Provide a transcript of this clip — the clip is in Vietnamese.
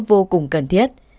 vô cùng cần thiết